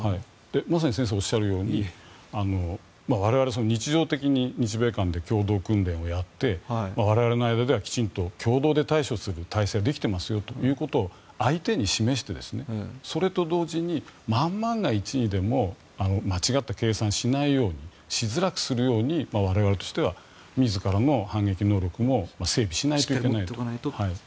まさに先生がおっしゃるように我々、日常的に日米間で共同訓練をやって我々の間では、きちんと共同で対処する態勢はできていますよということを相手に示してそれと同時に、万万が一にでも間違った計算をしないようにしづらくするように我々としては自らの反撃能力を整備しないといけないと。